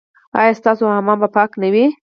ایا ستاسو حمام به پاک نه وي؟